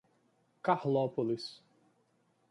Carlópolis